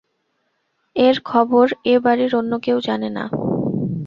এর খবর এ-বাড়ির অন্য কেউ জানে না।